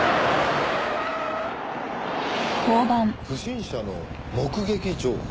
不審者の目撃情報？